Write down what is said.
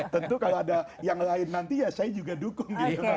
tentu kalau ada yang lain nanti ya saya juga dukung gitu